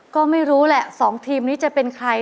ก็ไม่รู้แหละ๒ทีมนี้จะเป็นใคร